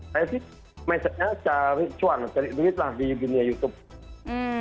saya sih message nya cari cuan cari duit lah di dunia youtube